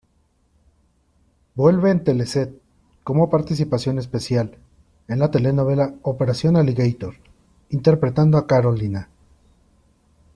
Vuelve en Teleset, como participación especial, en la telenovela "Operación Alligator", interpretando a "Carolina".